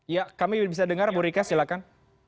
ya kami bisa dengar ibu rika silakan